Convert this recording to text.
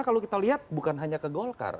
kalau kita lihat bukan hanya ke golkar